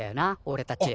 おれたち。